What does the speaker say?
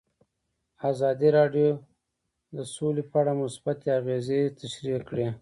ازادي راډیو د سوله په اړه مثبت اغېزې تشریح کړي.